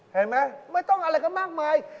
เห็นไหมไม่ต้องอะไรกันมากมาย